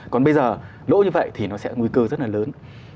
còn bây giờ lỗ như vậy thì nó sẽ nguy cư rất là lớn